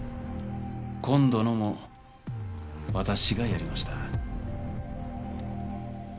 今度のも私がやりました。